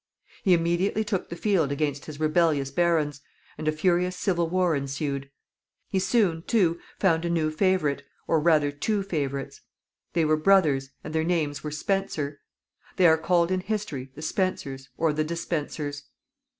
He immediately took the field against his rebellious barons, and a furious civil war ensued. He soon, too, found a new favorite, or, rather, two favorites. They were brothers, and their names were Spencer. They are called in history the Spencers, or the Despensers.